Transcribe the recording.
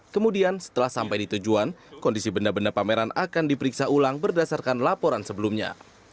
kemudian setelah sampai di tujuan kondisi benda benda pameran akan diperiksa ulang berdasarkan laporan sebelumnya